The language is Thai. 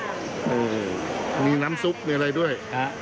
อื้อนี่น้ำซุปมีอะไรด้วย